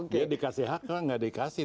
dia dikasih hak kan gak dikasih